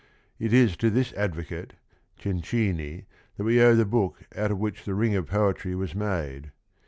It is to this ad vocate, Cencini, that we owe the book out of which the ring of poetry was made.